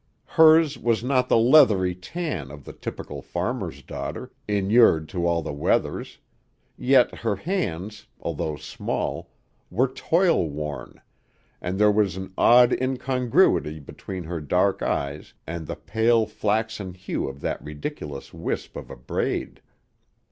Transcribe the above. Hers was not the leathery tan of the typical farmer's daughter, inured to all weathers, yet her hands, although small, were toil worn, and there was an odd incongruity between her dark eyes and the pale, flaxen hue of that ridiculous wisp of a braid.